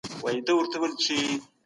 مطالعه بايد خلګ له احساساتو راوباسي.